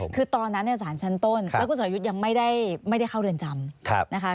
คือตอนนั้นสารชั้นต้นแล้วคุณสรยุทธ์ยังไม่ได้เข้าเรือนจำนะคะ